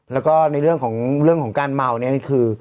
แล้วก็ในเรื่องของการเมาเนี่ยคือ